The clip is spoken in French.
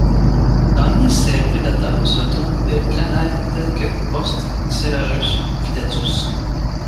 Parmi ses prédateurs se trouvent des planaires tels que Prostheceraeus vittatus.